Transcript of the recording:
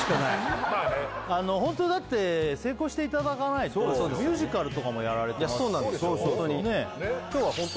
ホントだって成功していただかないとミュージカルとかもやられてそうなんですよ